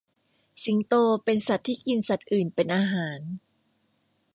สิงโตเป็นสัตว์ที่กินสัตว์อื่นเป็นอาหาร